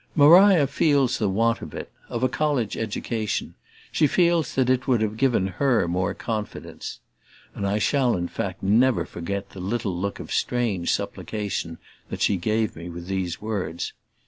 "Maria feels the want of it of a college education; she feels it would have given her more confidence"; and I shall in fact never forget the little look of strange supplication that she gave me with these words.